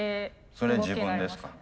それ自分ですか？